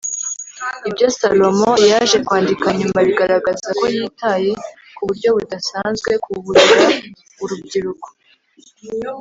ibyo salomo yaje kwandika nyuma bigaragaza ko yitaye ku buryo budasanzwe ku kuburira urubyiruko